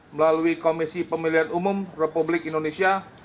melalui komisi pemilihan umum republik indonesia